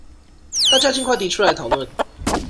大家儘快提出來討論